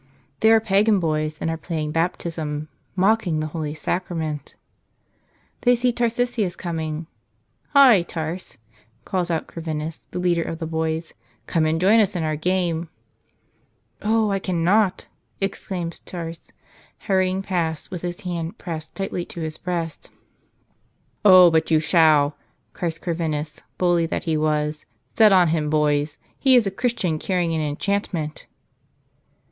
They are pagan boys and are playing baptism, mocking the holy Sacrament! They see Tarsicius coming. "Hi, Tarse!" calls out Corvinus, the leader of the boys, "come and join us in our game !" "Oh, I cannot!" exclaims Tarse, hurrying past with his hand pressed tightly to his breast. "Oh, but you shall!" cries Corvinus, bully that he was. "Set on him, boys ! He is a Christian carrying an enchantment